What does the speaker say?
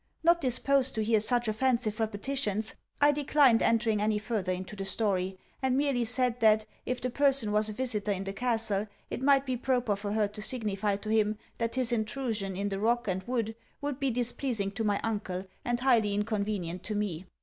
Not disposed to hear such offensive repetitions, I declined entering any further into the story; and merely said, that, if the person was a visitor in the castle, it might be proper for her to signify to him that his intrusion in the Rock and wood would be displeasing to my uncle, and highly inconvenient to me.